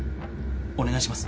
お願いします。